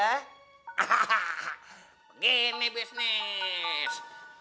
hahaha begini bisnis